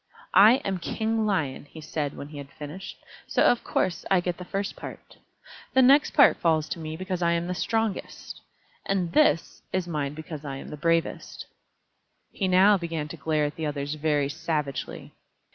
"I am King Lion," he said, when he had finished, "so of course I get the first part. This next part falls to me because I am the strongest; and this is mine because I am the bravest." He now began to glare at the others very savagely.